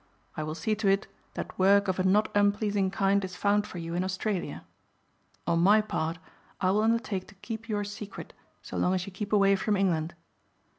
I will see to it that work of a not unpleasing kind is found for you in Australia. On my part I will undertake to keep your secret so long as you keep away from England.